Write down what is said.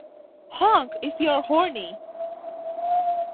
Honk if you are horny!